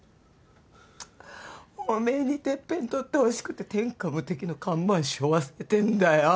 おめえにてっぺん取ってほしくて天下無敵の看板しょわせてんだよ。